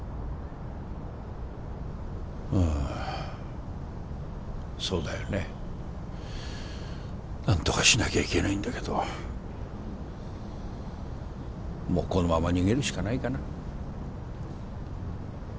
うんそうだよね何とかしなきゃいけないんだけどもうこのまま逃げるしかないかな